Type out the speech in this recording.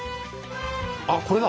あっこれだ！